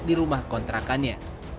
di rumah kontrakannya